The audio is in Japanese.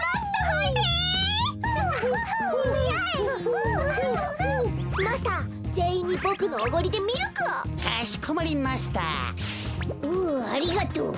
ふうありがとう。